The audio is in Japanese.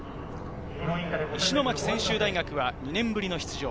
石巻専修大学は２年ぶりの出場。